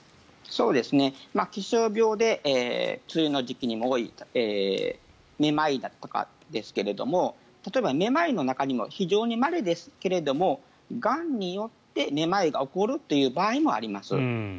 気象病で梅雨の時期に多いめまいだったりとかですが例えば、めまいの中にも非常にまれですけれどもがんによってめまいが起こるという場合もあります。